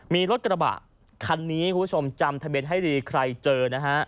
มีรถกระบะคันนี้คุณผู้ชมจำทะเบียนให้ดีใครเจอนะฮะ